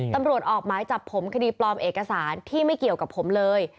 ตำรวจออกหมายจับผมคดีปลอมเอกสารที่ไม่เกี่ยวกับผมเลย